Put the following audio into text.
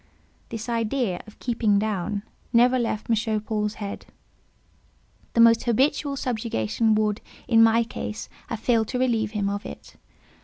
This idea of "keeping down" never left M. Paul's head; the most habitual subjugation would, in my case, have failed to relieve him of it.